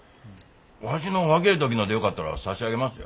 わしの若え時のでよかったら差し上げますよ。